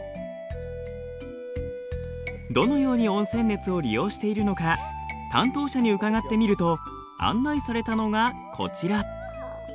どのように温泉熱を利用しているのか担当者に伺ってみると案内されたのがこちら。